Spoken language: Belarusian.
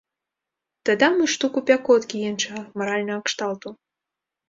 Дадам і штуку пякоткі іншага, маральнага кшталту.